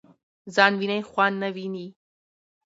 ځان وینی خوان نه ويني .